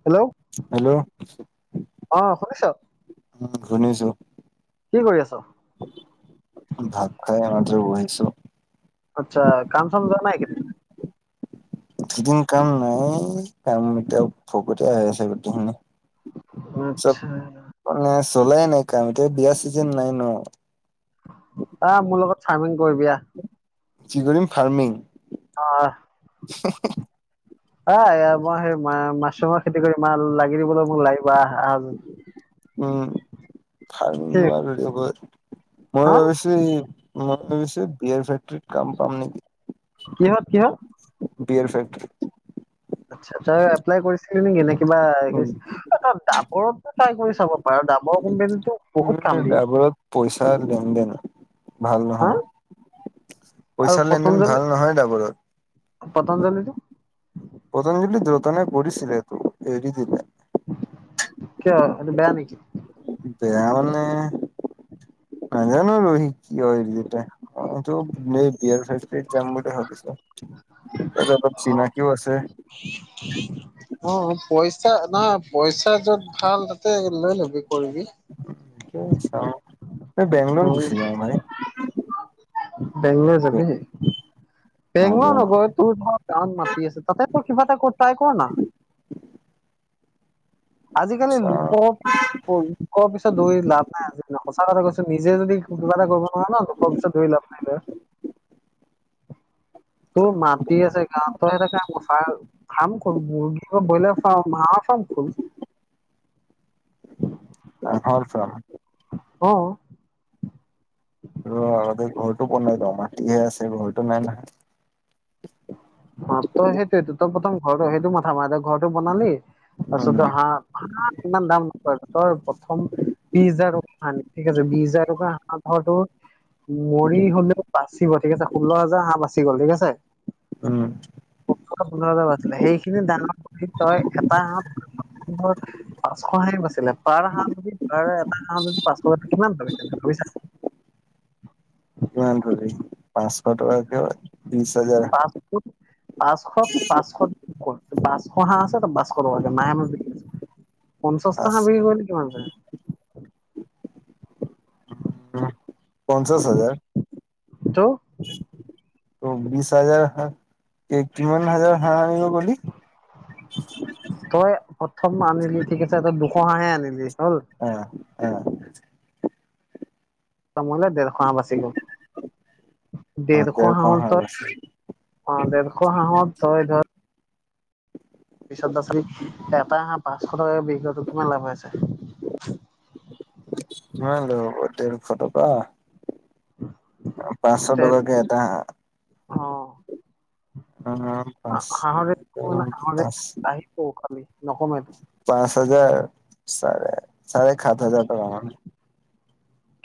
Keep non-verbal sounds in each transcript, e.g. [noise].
[unintelligible] Hello অ, শুনিছ? উম, শুনিছো কি কৰি আছ? ভাত খাই আমাত বহছো আচ্ছা, কাম চাম য নাইে সিদিন কাম নাই কাম এতিয়া ভকতি হৈ আছে গো্তেইখিনি আত্ছা, ম চলেে নাই কাম এতিয়া বিয়া চিজন নাই ন আহ মোৰ লগত ফাৰ্মিং কৰিবিা যি কৰিম ফাৰ্মিং অ [inaudible] আহ মই সেই মাছৰুমৰ খেতি কৰি মা লাগি দিবলৈ মোক লাগিব আহ আহা উম নোৱাৰো লগ কি ময় ভাবিছো মই হা ভ বিয়াৰ ফেক্টৰত কাম পাম নেকি কিহত কিহত বিিয়াৰ ফেক্ট্ৰি আচ্ছা ত এপ্লাই কৰিছিলি নেকি এনে উম কিবাাবৰত টাই কৰি চাব পাৰে দামৰ কোম্পানীতটো উম ড্ৰাইভাৰত পইচা লেনদেন ভাল হা নহয় আৰু পইচাৰ লেনদেন পতঞ্জলি ভাল নহয় ডাবৰত পতঞ্জলিটো পতঞ্জলি দ্ৰতনে কৰিছিল তটো এৰি দিলে কিয় বেয়া নেক বয়াঙানে নাজানো ৰহি কি হয় যে অ বিাৰাই যাম ম হকিছ ত অলপ চিিনাকিও আছে উ অ পইচা নহ পইচা যত ভাল তাতে লৈ ল'বি কৰিবি চা বেংলৰ উম, গুচি যাওঁ মানে বেংলৰ যাবি বেংগল নগৈ তোৰ ধৰ গান মাতি আছে তাতে তই কিবা এটা কৰ তাই ক না আজিকালি লোকৰ লোকৰ পিছত দৌৰি লাভ নাই আজিকালি ন সঁচা কথা কৈছো নিজে যদি কিবা এটা কৰিব নোৱাৰাৰে ন দুখৰ পিছত ধৰি ল আ ন এইবাৰ তোৰ মাতি আছে কাৰণ তই সেইতেফ ফাৰ্ম খ মুগ ব্ৰইলাৰ ফাৰ্ম মাৰ ফাৰ্ম খল হয় চ অ ৰ আগতে ঘৰটো বনাই মাটিহে আছে ঘটো নাই নাহয় ম তই সেইটোটো তই প্ৰথম ঘৰটো সেইটো মাথা মাৰ ঘৰটো বনালি উম তছত হা হা ইমান দাম তই প্ৰথম বিশ হাজাৰ টকাান ঠিক আছে বিশ হাজাৰ টকা হাঁহৰটো মৰি হলেও বাচ গ ঠিক আছে ষোল্ল হাজাৰ হাঁহ বাচি গ'ল ঠিক আছে উম সেইখিনি দানৰ তই এটাত পাঁচশ হাঁহ বা আছিলে পাৰ হাঁহ যদি পাৰ এটা হাঁহ যদি পাঁচশ এ কিমান ভ আছিল ভাবিছা কিমান পাঁচশ টকা ক ত্ৰিশ হাজাৰ পাঁচ পাঁচশ পাঁচশ পাঁচশ হাঁ আছে ত বাছ কৰ আগে নাইমাৰ বি আ পঞ্চাশটা পাঁচ হা বিক্ৰী কৰিলে কিমান পই পঞ্চাছ হাজাৰ ত ত বিশছ হাজাৰ হ কিমান হাজাৰ হিব গি তই প্ৰথম আনিলি ঠিক আছে তই দুশ হাহে আনিলি হ'ল অ অ মলে ডেৰশ হাঁহ বাচি গ'ল ডেৰশ হাঁহ তই অ ডেৰশ হাঁহত তই ধৰ পিছত দচলী এটা আহা পাঁচশ টকা কৈ বিক্ৰী কৰিলে কিমান লাভ আছে কিমান লব ডেৰশ টকা পাঁচশ তে টকা কে এটা অ অ পচ পচ ঔ খালি নকমে পাঁচ হাজাৰস চাৰে-চাৰে সাত হাজাৰ সোমালে।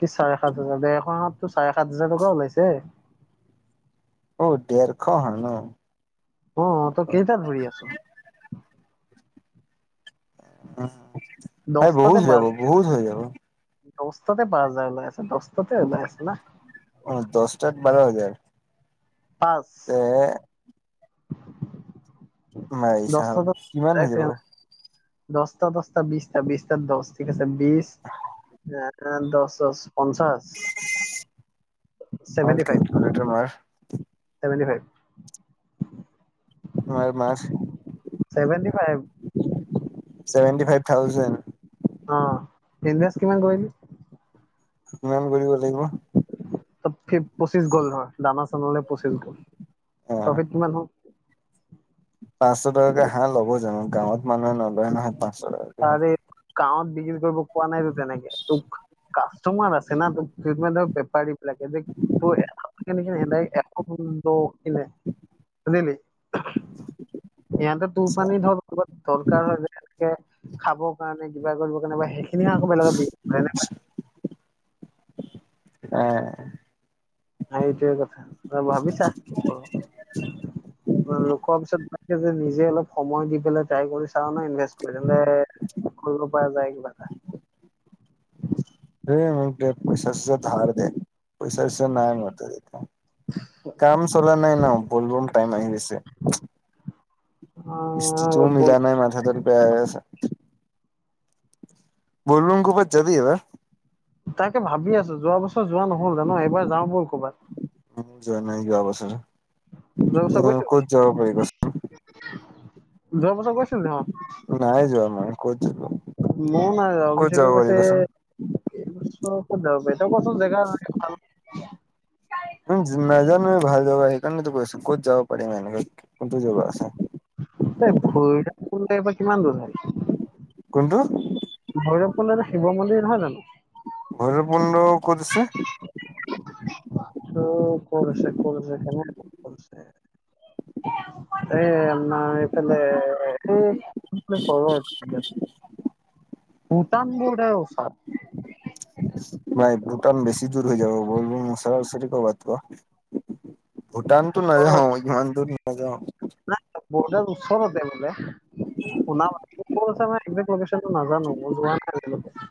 কি চাৰে সাত হাজাৰ ডেৰখনত তোৰ চাৰে সাত হাজাৰ টকা ওলাইছে। অহ, ডেৰশ ন'। অহ, তই কেইটা ধৰি আছ। ভাই দহটাতে বহুত হৈ যাব পাঁচ, বহুত হৈ যাব দহটাতে পাঁচ হাজাৰ ওলাই আছে দহটাতে ওলাই আছে না। অহ, দহ তাত বাৰ হাজাৰ। পাঁচ। এ মাৰিচা দহটা হিচাব কিমান এক হৈ যাব। ছেকেণ্ড দহটা দহটা বিছটা, বিছটা দহ ঠিক আছে, বিছ এ দহ-দহ পঞ্চাশ। মাৰ চেভেন্টি ফাইভ, কেলকুলেটৰ মাৰ চেভেন্টি ফাইভ। হয়, মাছ। Seventy five. Seventy five thousand. অহ, ইনভেষ্ট কিমান কৰিলি? কিমান কৰিব লাগিব? ত' পঁচিশ গ'ল ধৰ, দানা-চানালে পঁচিছ গ'ল। অ প্ৰফিট কিমান হ'ল? পাঁচশ টকাকে হাঁহ ল'ব জানোঁ, গাঁৱত মানুহে নলয় নহয় পাঁচশ টকাকে। হাঁহ আৰে গাঁৱত বিক্ৰী কৰিব পোৱা নাইতো তেনেকে তোক। কাষ্টমাৰ আছে না, ধৰ বেপাৰীবিলাকে যে সদায় [unintelligible] কিনে, বুজিলি। ইহাঁতে টোৰপানী ধৰ দৰকাৰ হয়, যেনেকে খাবৰ কাৰণে, কিবা কৰিব কাৰণে বা সেইখিনি আকৌ বেলেগক বিক্ৰী কৰে এনেকে। হয়। আৰু এইটোৱে কথা, তই ভাবিছা কি কৰ। লোকৰ পিছত যে নিজে অলপ সময় দি পেলাই ট্ৰাই কৰি চা না ইনভেষ্ট কৰি কৰিব পৰা যায় কিবা এটা। এ মোক দে পইচা-চইচা ধাৰে দে, পইচা-চইচা নাই মোৰ তাত এতিয়া। কাম চলা নাই ন' বুলবম টাইম আহি দিছে। অ কিস্তিটো বল মিলা নাই মাথাটো বেয়া হৈ আছে। বলবোম কবাত যাবি এবাৰ। তাকে ভাবি আছোঁ যোৱা বছৰ যোৱা নহ'ল জান, এইবাৰ যাওঁ বল ক'ৰবাত। মইয়ো যোৱা নাই যোৱা বছৰ। যোৱা বছৰ ক'ত যাব পাৰি গৈছোঁ, যোৱা বছৰ গৈছোঁ কচোন নাই নহয়। যোৱা মই ক'ত যাব মইয়ো নাই যোৱা ক'ত যাব অভিশেকে পাৰি কৈছে। কচোন এই বছৰ ক'ত যাব পাৰি, তই কচোন জেগা উম, নেজানোয়ে ভাল জেগা সেইকাৰণেতো কৈ আছো, ক'ত যাব পাৰিম এনেকে কোনতো জেগা আছে। এই ভৈৰৱকোন্দ ইয়াৰ পৰা কিমান দূৰ হয়। কোনটো? ভৈৰৱকোন্দ এটা শিৱ মন্দিৰ নহয় জানোঁ? ভৈৰৱকোন্দ ক'ত আছে? অহ, ক'ত আছে, ক'ত আছে, কেনে ক'ত আছে। এই না এইফালে এইটো। [unintelligible] ভূটান বৰ্ডাৰ ওচৰত। নাই ভুটান বেছি দূৰ হৈ যাব, ভলেবম ওচৰা-ওচৰি ক'ৰবাত ক'। ভূটানতো ওচৰত নাযাওঁ, ইমান দূৰ নাযাওঁ। নাই বৰ্ডাৰ ওচৰতে মানে, শুনা পাইছোঁ। ক'ত আছে মই একজেক লোকেচনটো নাজানোঁ যোৱা নাই আজিলৈকে।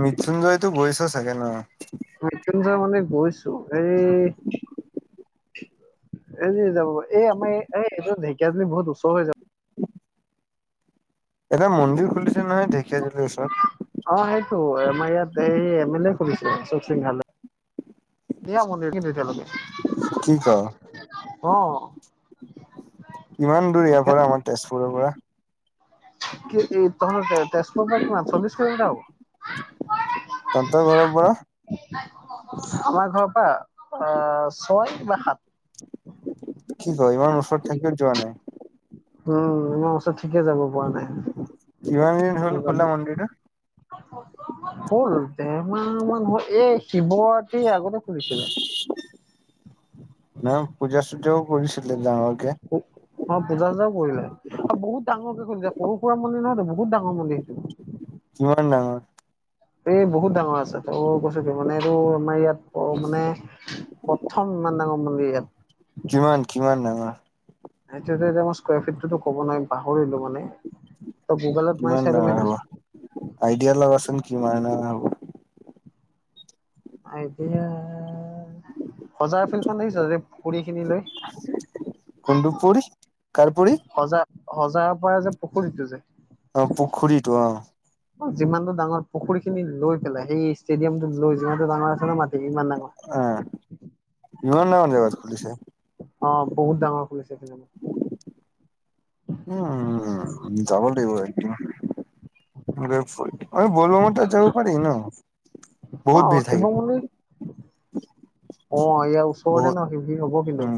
মৃত্যুঞ্জয়তো বৈছো চাকে ন। মতুনজ মানে গৈছো এই এৰি যাব এই আমাৰ এই, এই, এই ঢেকীয়াজী বহুত ওচৰ হৈ যাব। এটা মন্দিৰ খুলিছে নহয় ঢেকীয়াজুলিৰ অ, ওচৰত। সেইটো আমাৰ ইয়াত এই এম এল এ কৰিছো অশোক সিংলে মন্দিৰ কিন্তু কি ক? এতিয়ালৈকে অ'। কিমান দূৰ ইয়াৰ পৰা আমাৰ তেজপুৰৰ পৰা কি এই তহ তেজপুৰৰ কিমান চল্লিশ কিলোমিটাৰ হ'ব। তন্ত ঘৰ পৰা আমাৰ ঘৰৰ পৰা আহ ছয় বা সাত। কি, ক ইমান ওচৰত থাকিও যোৱা নাই। উম, ইয়াৰ ওচৰ ঠিকে যাব পৰা নাই। ই, হ'ল খুলা মডিৰটো। হ'ল দেৰমাহ মান হ'ল এই শিৱৰাতি আগতে খুুলিছিলে। ন, পূজা, চূজাও কৰিছিলে যাঙ আগে। অ, পূজা চজাও কৰিলে বহুত ডাঙৰেৈ য, সৰু সুৰা মন্দিৰ নয় বহুত ডাঙৰ মন্দিৰ সেইটো। কিমান ডাঙৰ? এই বহুত ডাঙৰ আছে ত কৈছ কি মানে এইটো আমাৰ ইয়াত মানে প্ৰথম ইমান ডাঙৰ মন্দিৰ ইয়াত। কিমান, কিমান ডাঙৰ? হাইড্ৰড্ৰেডামৰ স্কয়াৰ ফিটটোতো ক'ব নোৱাৰি পাহৰিলো মানে। তই গুগলত মাৰি কিমান চাই লবি ডাঙৰ না হ'ব আইডিয়া লগাচোন কিমানঙ হ'ব। এতিয়া সজাৰ ফিল্খন লিছ পুখুৰী খিনি লৈ কুন্দুপুৰ, কাৰপৰি সজা, সজাৰ পৰা যে পুখুৰীতটো যে অ, পুখুৰীটো অ'। অ, যিমান টো ডাঙৰ পুখী খিনি লৈ পেলাই সেই ষ্টেডিয়ামত লৈ যিমানটোোঙৰ আছে নে মাটি ইমান ডাঙৰ অ, মন নামান জগাত খুলিছে। অ, বহুত ডাঙৰ খুলিছে চিনেমা। উম, উ, যাব দাগিব একদম। [unintelligible] বলব মাৰ যাব পাৰি ন। অ, বহুত ভিৰ শিৱ থাকিব মুলি অ, ইয়াৰ ওচৰতে ন শি হ'ব খিলো।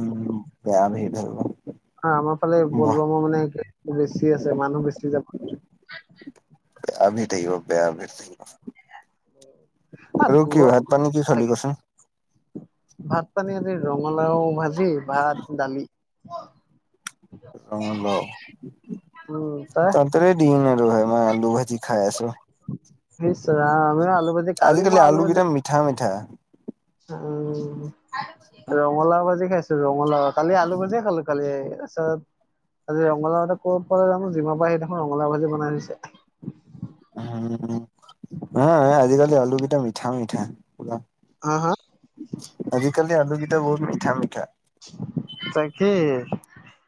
বেয়ামি সেইটো। হয় আমাৰ ফালে বলবম মানে বেছি আছে মানুহ বেছি যাব। আমি থাকিব বেয়াম ন, ভাত দূৰত পানী কি খালি লাগে। কচোন ভাত পানী আজি ৰঙালাও ভাজি, ভাত, দালি [unintelligible] উম তই দিন আৰু ভাই মই আলু ভাজি খাই আছোঁ। নিশ্চয় আমি আলুবাজি কালি আজিকালি মই আলু ভাজি কেইটা মিঠা, মিঠা উ, ৰঙালাও ভাজি খাইছো ৰঙালাও কালি আলু ভাজিয়ে খালো কালি তাৰপাছত আজি ৰঙলাও এটা ক'ৰ পৰাল জানো যিমান পাৰে সেই দেখোন ৰঙালও ভাজি বনাই থৈছে। উ, হ আজিকালি আলু পিটা, মিঠা, মিঠা পৰা হা, হা? আজিকালি আলুকেইটা বহুত মিঠা, মিঠা। তাকে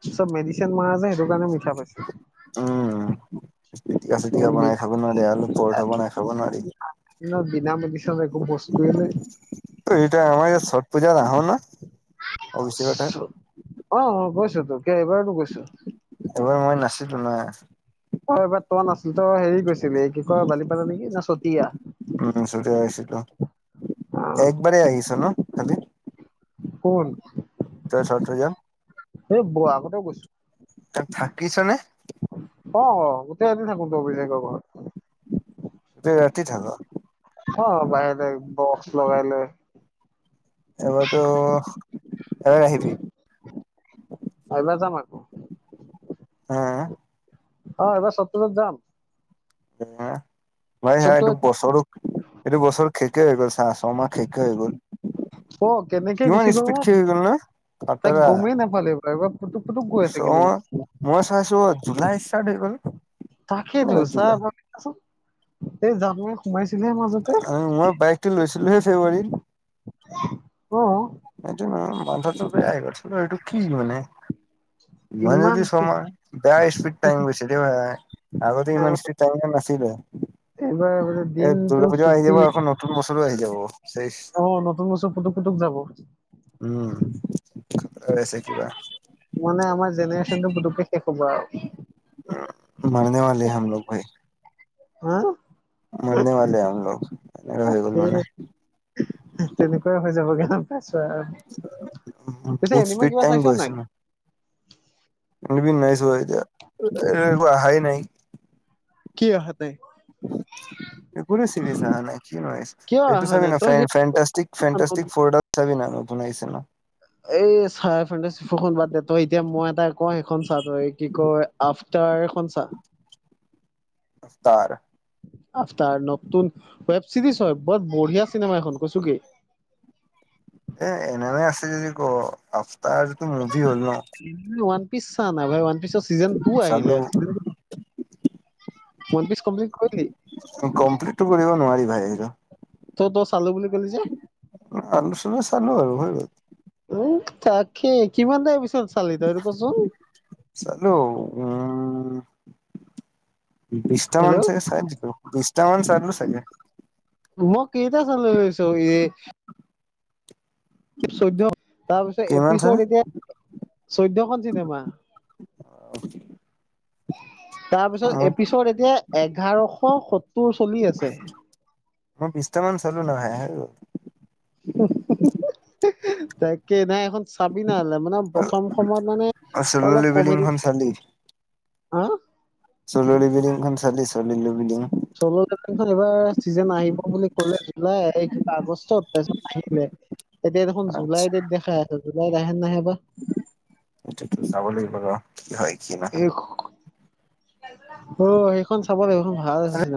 চব মেডিচিন মাৰা যে সেইটো কাৰণে মিঠা পাইছো। উম, পিটিকা, চিটিকা বনাই খাব নোৱাৰি আৰু পৰঠা বনাই খাব নোৱাৰি। ন, বিনা মেডিচন একো বস্তুৱে নাই। এইয়া আমাৰ চোটপূজাৰ আহা ন অৱশ্যে কথা অ অ কৈছো ত এইবাৰতো গৈছো এইবাৰ মই নাছিলো না অ এইবাৰ ত নছিল তই হেৰি গৈছিলি এই কি কয় বালিপাৰা নেকি ন চতিয়া চতে আহছিলো আহ একবাৰেই আহিছ ন খালি কোন তই চোটপূজাত এই ব আগতেও কৈছো থাকিছা নে অ অ গোটেই এদ থাকো তো অভিষেকৰ ঘৰত এ ৰাতি থাকা অ বাহিৰৰে বক্স লগাই লৈ এবাৰ তো এ আৰু আহিবি পাইবা যাম আকৌ হা অ এবাৰ চোটপূজাত যাম এনে [unintelligible] এইটো সপ্তাহত বছৰো এইটো বছৰ খেকে হৈ গ'ল চাহ ছ মাহ শেকে হৈ গ'ল অ কেনেকে কিমান গুচি গ'ল স্পিড শেখ হয় গল ন খাতাৰা ভালাগ ভাল এইবাৰ ফুুক ফুটুক গৈ আছে কিন্তু মই চাইছো জুলাই ষ্টাৰ্ট হৈ গ'ল তাকেইতো কেনেকা চা জুলাই দেচোন এই জানুৱাৰী ত সোমাইছিলে মই বাইক টো লৈছিলোহে ফেব্ৰুৱাৰীত অ এইটো নয় মাথাটোয় গৈছে এইটো কি মানে ইমান জলদি ছোহমাহ বেয়া স্পিড টাইম আগতে ইমান স্ত্ৰী টাই নাছিলে এইবাৰ এই দিনটো দুৰ্গা পূজা আহি ছুটি যাব আকৌ নতুন বছৰো আহি যাব চেচ অ নতুন বছৰ পুতুক পুতুক যাব উম মানে আমাৰ জেনেৰেশ্যনটো পুটুকে শেষ হ'ব আৰু মাৰনেৱালে হে হোমলোক ভাই হা মৰনে বালে হে হল লোগ সেই তেনেকুৱাই হৈ যাবগ পাইছো আৰু পিতিয়া বহুত এনেমা স্পীড কিবা টাইম চাইছ নাই নাইছোৱা এতিয়া আহ নাই কি অহাতে [unintelligible] কোনো চিৰি নাই কি ন কিয় এইটো অহা চাব নাই তই ন সেইটো চাব ন নপুনিছে ন এই ছাৰ ফ্ৰেড্ব বাদ দে তই এতিয়া মই এটাাই ক সেইখন চা তই কি কয় আফতাৰখনচা অফতাৰ আফাৰ নতুন ৱেব চিৰিজ হয় বৰ বঢ়িয়া চিনেমা এখন কৈছো কি এ এনেমে আছে যদি ক আফ্তাৰ যটো মুভি হ'ল ন ওৱান পিচ চা নাই ভ ওৱান পিচৰ চিজন টু চালো আহিলে চিজন মন পিচ কম্পচিছ কৰি দিলি কম্প্লিটটো কৰিব নোৱাৰি ভাইটো তই তই চালো বুলি কলি যে আলু চালু চালো আৰু হৈ গ'ল উ তাকে কিমান দেৰ পিছত চালি তই কচোন চ্ল উম বিশছটা মান হেল্ল' চাগে চাৰিলো বিছটা মান চাৰিলো চাগে মই এেইটা চ ল লৈছো এই চৈধ্যয় তাৰ পিছত কিমান চালি? এপিছড এতিয়া চৈধ্য়খনন চিনেমা তাৰ পিছত মই এপিছত এতিয়া এঘাৰশ সত্তৰ চলি আছে মই বিছ্তামান চলো নহ তাকে নাই এখন চাবি নহলে মানে প্ৰথম সময়ত মানে চ'ল' অলপ কমেডি লেভেলিংখন চালি? হা চললি বিল্িংখন চালি চল বিল্ডিং চল এইবাৰ চিজন আহিব বুলি কলে জুলাইেই আগষ্টত তাৰপছত আহে তেতিয়া দেখোন জুলাই ড দেখাই আছছে জুলাইত আহে নাহে বা এটো যাব লাগিব কি হয় কি নহ এই অ সেইখন চাব লাগিবখন ভাল আছে চনো